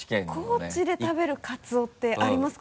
高知で食べるカツオってありますか？